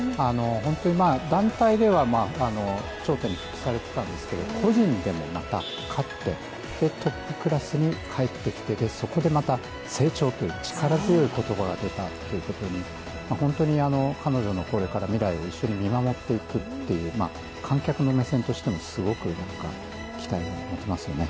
本当に団体では頂点なんですけど個人でもまた勝って、トップクラスに帰ってきてそこでまた成長という力強い言葉が出たということに本当に彼女のこれから未来を一緒に見守っていくっていう観客の目線としてもすごく期待を持てますよね。